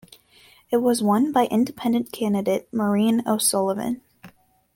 It was won by Independent candidate Maureen O'Sullivan.